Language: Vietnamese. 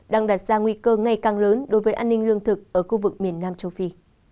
đang đặt ra nguy cơ ngày càng lớn đối với an ninh lương thực ở khu vực miền nam châu phi